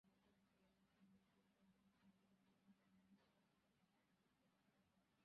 তাঁহার জীবনের সেই চিরস্মরণীয় অধ্যায়ের কথা মনে পড়িতেছে, যাহা অতি দুর্বোধ্য।